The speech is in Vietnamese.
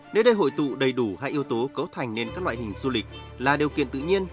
nơi đây hội tụ đầy đủ hai yếu tố cấu thành nên các loại hình du lịch là điều kiện tự nhiên